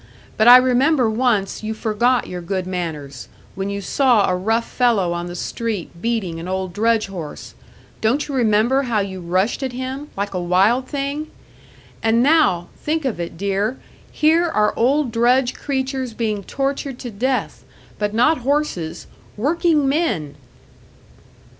But I remember once you forgot your good manners, when you saw a rough fellow on the street beating an old drudge horse. Don't you remember how you rushed at him like a wild thing! And now think of it, dear, here are old drudge creatures being tortured to death; but not horses working men!"